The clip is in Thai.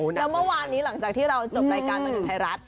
แล้วเมื่อวานนี้หลังจากที่เราจบรายการบันเทิงไทยรัฐ